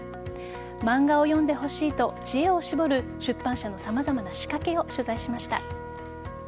漫画を読んでほしいと知恵を絞る出版社の様々な仕掛けを取材しました。